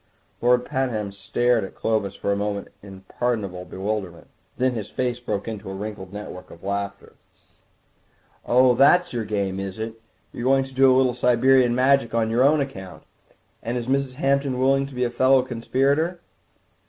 Lord Pabham stared at Clovis for a moment in pardonable bewilderment; then his face broke into a wrinkled network of laughter. "Oh, that's your game, is it? You are going to do a little Siberian Magic on your own account. And is Mrs. Hampton willing to be a fellow conspirator?"